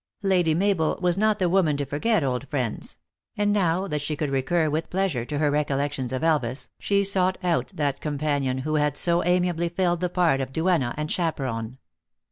Lady Mabel was not the woman to forget old friends ; and now, that she could recur with pleasure to her recollections of Elvas, she sought out that com /^ panion who had so amiably filled the part of duenna and chaperon.